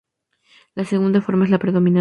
La segunda forma es la predominante.